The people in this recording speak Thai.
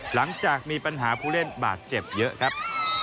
หลังจากมีปัญหาผู้เล่นบาดเจ็บเยอะครับ